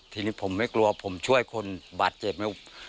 ทีนี้ผมไม่กลัวผมช่วยคนบาดเจ็บไหม